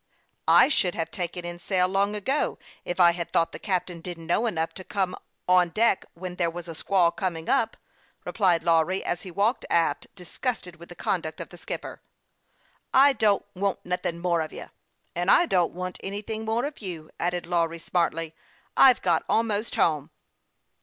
I should have taken in sail long ago if I had thought the captain didn't know enough to come on deck when there was a squall coming up," replied Lawry, as he walked aft, disgusted with the conduct of the skipper. " I don't want nothin' more of you." " And I don't want anything more of you," added Lawry, smartly. " I've got almost home."